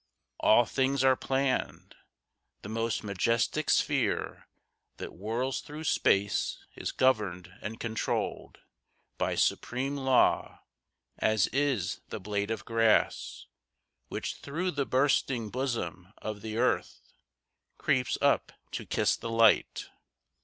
All things are planned. The most majestic sphere That whirls through space is governed and controlled By supreme law, as is the blade of grass Which through the bursting bosom of the earth Creeps up to kiss the light.